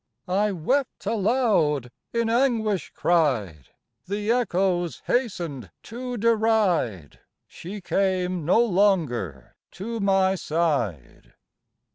I wept aloud, in anguish cried, The echoes hastened to deride! She came no longer to my side.